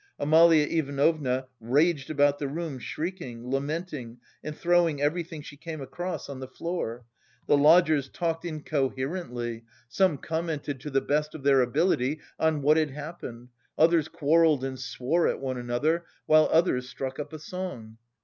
Amalia Ivanovna raged about the room, shrieking, lamenting and throwing everything she came across on the floor. The lodgers talked incoherently, some commented to the best of their ability on what had happened, others quarrelled and swore at one another, while others struck up a song....